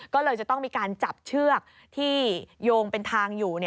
ก็เลยจะต้องมีการจับเชือกที่โยงเป็นทางอยู่